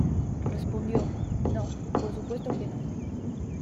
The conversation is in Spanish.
Respondió: "No, por supuesto que no.